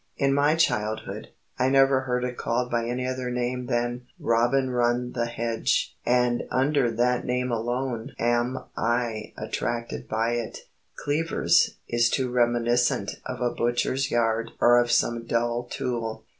'" In my childhood, I never heard it called by any other name than "robin run the hedge," and under that name alone am I attracted by it. "Cleavers" is too reminiscent of a butcher's yard or of some dull tool.